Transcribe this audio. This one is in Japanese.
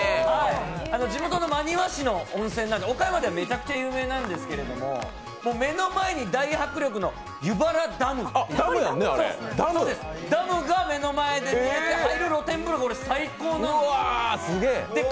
地元の真庭市の温泉なんで岡山ではめちゃくちゃ有名なんですけども目の前に大迫力の湯原ダムが見れて入る露店風呂が最高なんです。